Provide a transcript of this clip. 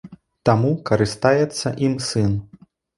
Таму карыстаецца ім сын.